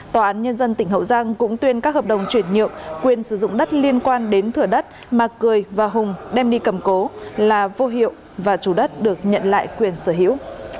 tòa án nhân dân tỉnh hậu giang cũng tuyên các hợp đồng chuyển nhượng quyền sử dụng đất liên quan đến thửa đất mà cười và hùng đem đi cầm cố là vô hiệu và chủ đất được nhận lại quyền sở hữu